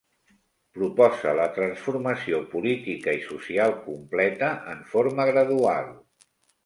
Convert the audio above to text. Proposa la transformació política i social completa en forma gradual.